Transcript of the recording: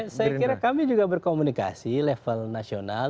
ya saya kira kami juga berkomunikasi level nasional